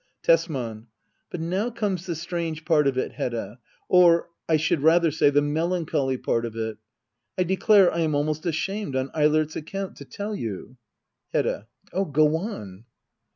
Tesman. But now comes the strange part of it, Hedda ; or, I should rather say, the melancholy part of it. I declare I am almost ashamed — on Eilert's account — to tell you Hedda. Oh, go on